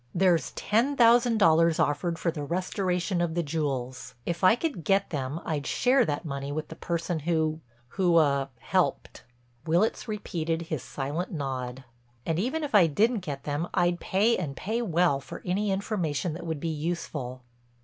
"There's ten thousand dollars offered for the restoration of the jewels. If I could get them I'd share that money with the person who—who—er—helped." Willitts repeated his silent nod. "And even if I didn't get them I'd pay and pay well for any information that would be useful."